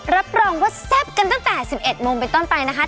รับรองว่าแซ่บกันตั้งแต่๑๑โมงเป็นต้นไปนะคะ